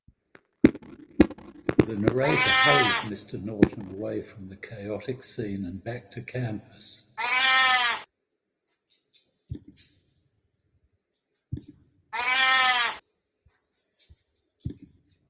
The narrator hurries Mr. Norton away from the chaotic scene and back to campus.